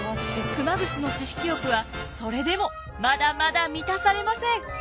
熊楠の知識欲はそれでもまだまだ満たされません。